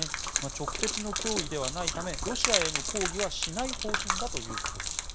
直接の脅威ではないためロシアへの抗議はしない方針だということでした。